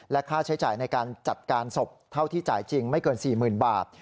ค่าใช้จ่ายในการจัดการศพเท่าที่จ่ายจริงไม่เกิน๔๐๐๐บาท